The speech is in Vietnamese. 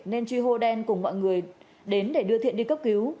nên truy hô đen cùng mọi người đến để đưa thiện đi cấp cứu